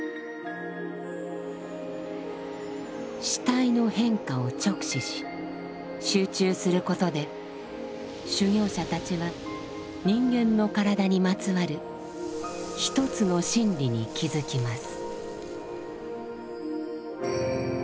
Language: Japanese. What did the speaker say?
死体の変化を直視し集中することで修行者たちは人間の体にまつわる一つの真理に気づきます。